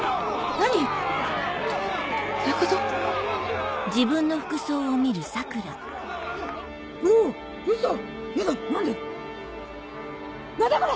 何だこれ！